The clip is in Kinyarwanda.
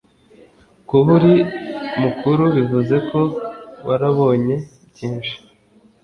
kuba uri mukuru bivuze ko warabonye byinshi